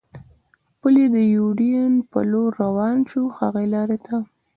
پلي د یوډین په لور روان شو، هغې لارې ته.